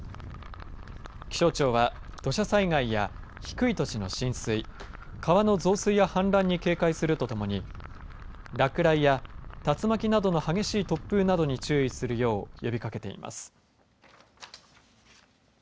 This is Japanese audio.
気象庁は土砂災害や低い土地の浸水川の増水や氾濫に警戒するとともに落雷や竜巻などの激しい突風などに注意するよう呼びかけています。